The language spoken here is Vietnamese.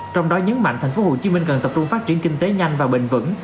trong đó nhấn mạnh tp hcm cần tập trung phát triển kinh tế nhanh và bình vẩn